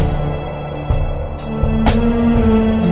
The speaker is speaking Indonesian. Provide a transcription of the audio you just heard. jangan kai yang kalau komanin dan menenangkanancyu